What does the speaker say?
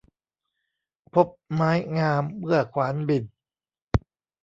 พบไม้งามเมื่อขวานบิ่น